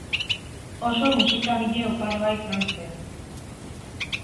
Oso musikagile oparoa izan zen.